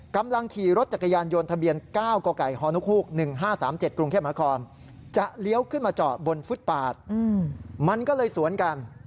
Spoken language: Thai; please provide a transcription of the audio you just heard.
กำลังขี่รถจักรยานยนต์ทะเบียน๙กฮ๑๕๓๗กรุงเทพมหาคอม